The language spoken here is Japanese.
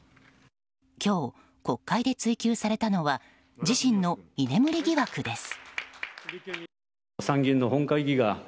今日、国会で追及されたのは自身の居眠り疑惑です。